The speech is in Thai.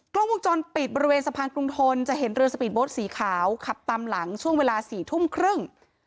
กล้องวงจรปิดบริเวณสะพานกรุงทนจะเห็นเรือสปีดโบสต์สีขาวขับตามหลังช่วงเวลา๔ทุ่มครึ่ง